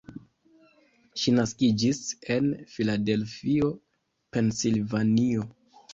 Ŝi naskiĝis en Filadelfio, Pensilvanio.